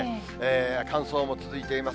乾燥も続いています。